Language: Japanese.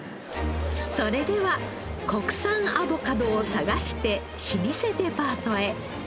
それでは国産アボカドを探して老舗デパートへ。